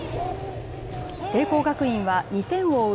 聖光学院は２点を追う